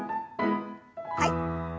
はい。